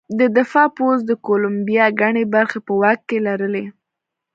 د دفاع پوځ د کولمبیا ګڼې برخې په واک کې لرلې.